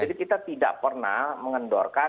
jadi kita tidak pernah mengendorkan